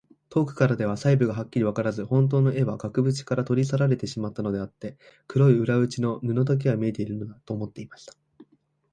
遠くからでは細部がはっきりわからず、ほんとうの絵は額ぶちから取り去られてしまったのであって、黒い裏打ちの布だけが見えているのだ、と思っていた。